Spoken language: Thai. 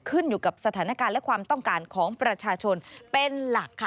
ขึ้นอยู่กับสถานการณ์และความต้องการของประชาชนเป็นหลักค่ะ